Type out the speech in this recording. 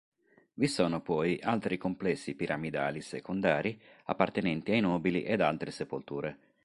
Vi sono poi altri complessi piramidali secondari appartenenti ai nobili ed altre sepolture.